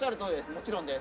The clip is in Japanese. もちろんです。